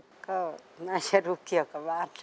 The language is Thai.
ก็น่าจะรู้เกี่ยวกับบ้าน